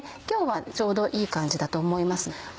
今日はちょうどいい感じだと思います。